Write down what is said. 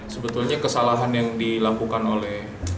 sebetulnya kesalahan yang dilakukan oleh pemerintah ini adalah